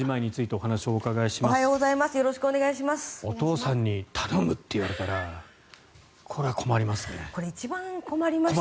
お父さんに頼むって言われたらこれは困りますね。